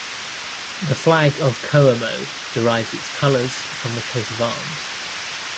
The flag of Coamo derives its colors from the coat of arms.